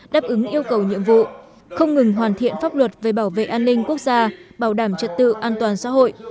đáp ứng yêu cầu nhiệm vụ không ngừng hoàn thiện pháp luật về bảo vệ an ninh quốc gia bảo đảm trật tự an toàn xã hội